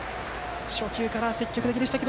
初球から積極的でしたが。